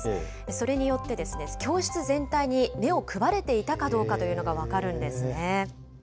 それによって、教室全体に目を配れていたどうかというのが分かるんですね。